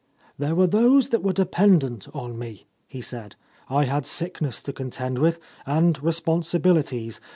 "There were those that were dependent on me," he said. "I had sickness to contend with, and responsibilities.